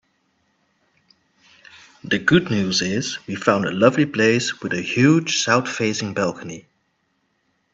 The good news is we found a lovely place with a huge south-facing balcony.